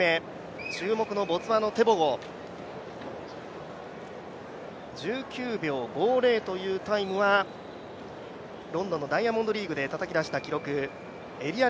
注目のボツワナのテボゴ、１９秒５０というタイムはロンドンのダイヤモンドリーグでたたき出した